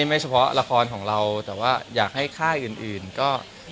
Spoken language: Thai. ไม่เฉพาะละครของเราแต่ว่าอยากให้ค่ายอื่นก็